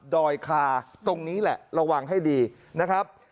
อยคาตรงนี้แหละระวังให้ดีนะครับ